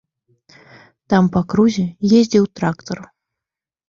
Там па крузе ездзіў трактар.